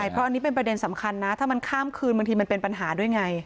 เพราะอันนี้เป็นประเด็นสำคัญนะถ้ามันข้ามคืนบางทีมันเป็นปัญหาด้วยไง